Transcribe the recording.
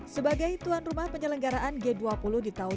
sebagai tuan rumah penyelenggaraan g dua puluh di tahun dua ribu dua puluh